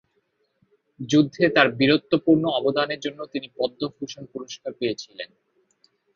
যুদ্ধে তার বীরত্বপূর্ণ অবদানের জন্য তিনি পদ্মভূষণ পুরস্কার পেয়েছিলেন।